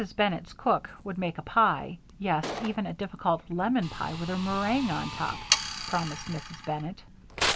Bennett's cook would make a pie yes, even a difficult lemon pie with a meringue on top, promised Mrs. Bennett.